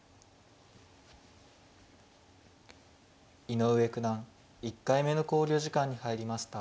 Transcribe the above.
井上九段１回目の考慮時間に入りました。